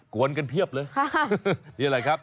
วนกันเพียบเลยนี่อะไรครับ